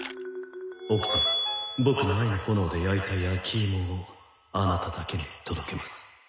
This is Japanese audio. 「奥さんボクの愛の炎で焼いた焼き芋をアナタだけに届けます」